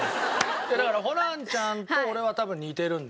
いやだからホランちゃんと俺は多分似てるんですよ。